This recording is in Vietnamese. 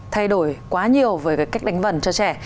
thay đổi quá nhiều với cái cách đánh vần cho trẻ